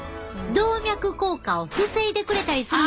動脈硬化を防いでくれたりするんやで！